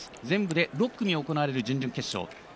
全部で６組行われる準々決勝。